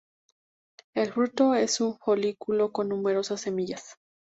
El fruto es un folículo con numerosas semillas.